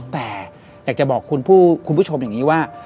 แต่อยากจะบอกคุณผู้ชมอย่างนี้ว่า